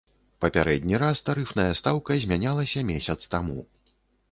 Папярэдні раз тарыфная стаўка змянялася месяц таму.